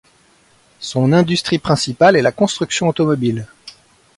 Son industrie principale est la construction automobile.